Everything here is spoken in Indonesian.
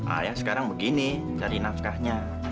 ayah sekarang begini cari nafkahnya